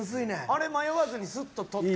あれ迷わずにスッと取った。